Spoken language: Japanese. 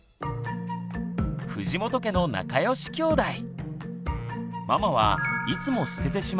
藤本家の仲良しきょうだい。